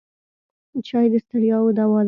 چای د ستړیاوو دوا ده.